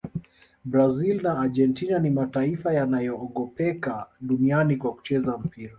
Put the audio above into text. brazil na argentina ni mataifa yanayogopeka duniani kwa kucheza mpira